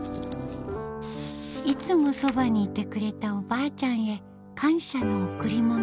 いつもそばにいてくれたおばあちゃんへ感謝のおくりもの